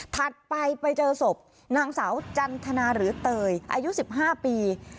ถัดไปไปเจอศพหนังสาวจันทนาหรือเตยอายุสิบห้าปี